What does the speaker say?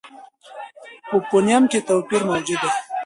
په فونېم کې توپیر موجود دی.